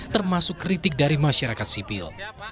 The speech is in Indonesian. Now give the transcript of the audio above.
termasuk kritik dari masyarakat sipil